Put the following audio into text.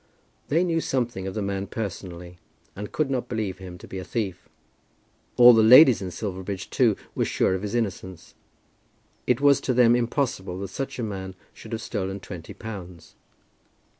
They knew something of the man personally, and could not believe him to be a thief. All the ladies in Silverbridge, too, were sure of his innocence. It was to them impossible that such a man should have stolen twenty pounds.